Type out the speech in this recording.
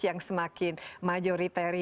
yang semakin majoritari